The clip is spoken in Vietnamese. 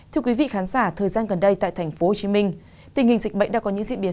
thưa quý vị khán giả thời gian gần đây tại tp hcm tình hình dịch bệnh đã có những diễn biến